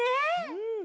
うん！